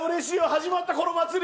始まったこの祭り。